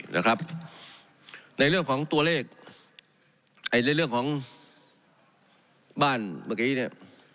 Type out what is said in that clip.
นะครับในเรื่องของตัวเลขในเรื่องของบ้านเมื่อกี้เนี่ย